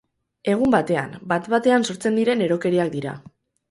Egun batean, bat-batean sortzen diren erokeriak dira.